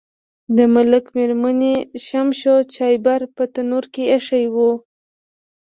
د ملک د میرمنې شمشو چایبر په تنور کې ایښی و.